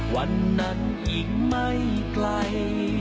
วันนั้นอีกไม่ไกล